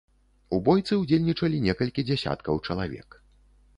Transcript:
У бойцы ўдзельнічалі некалькі дзясяткаў чалавек.